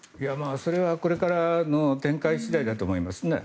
それはこれからの展開次第だと思いますね。